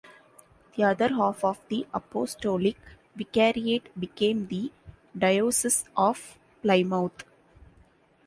The other half of the apostolic vicariate became the Diocese of Plymouth.